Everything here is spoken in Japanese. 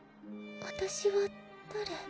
私は誰？